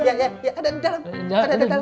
ya ya ada di dalam